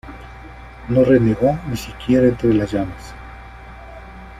No renegó, ni siquiera entre las llamas.